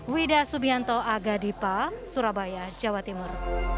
widah subianto agadipal surabaya jawa timur